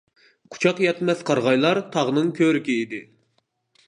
قۇچاق يەتمەس قارىغايلار تاغنىڭ كۆركى ئىدى.